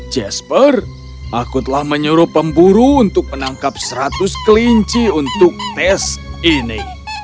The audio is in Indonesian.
jasper aku telah menyuruh pemburu untuk menangkap seratus kelinci untuk tes ini